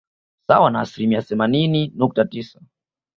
Sawa na asilimia themanini nukta tisa